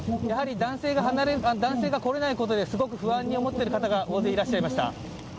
やはり男性が来れないことですごく不安に思っている方が大勢いらっしゃいました。